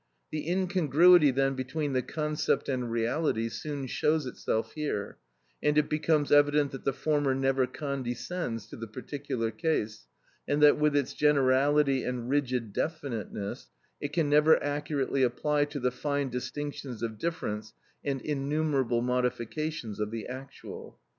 The incongruity then between the concept and reality soon shows itself here, and it becomes evident that the former never condescends to the particular case, and that with its generality and rigid definiteness it can never accurately apply to the fine distinctions of difference and innumerable modifications of the actual.